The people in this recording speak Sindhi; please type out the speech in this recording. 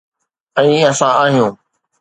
۽ اسان آهيون.